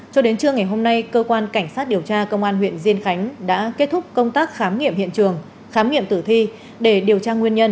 cho đến trưa ngày hôm nay cơ quan cảnh sát điều tra công an huyện diên khánh đã kết thúc công tác khám nghiệm hiện trường khám nghiệm tử thi để điều tra nguyên nhân